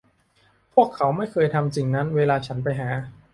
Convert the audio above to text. พวกเขาไม่เคยทำสิ่งนั้นเวลาฉันไปหา